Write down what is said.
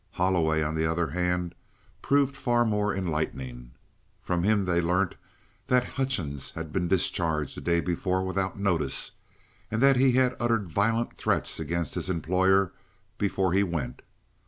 Holloway, on the other hand, proved far more enlightening. From him they learnt that Hutchings had been discharged the day before without notice, and that he had uttered violent threats against his employer before he went.